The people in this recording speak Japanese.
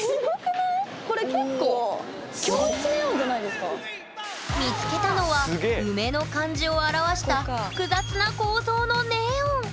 これ結構見つけたのは梅の漢字を表した複雑な構造のネオン！